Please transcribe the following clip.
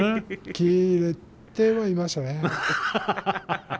キレてはいましたね。